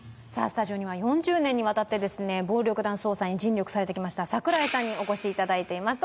スタジオには４０年にわたってですね暴力団捜査に尽力されてきました櫻井さんにお越しいただいています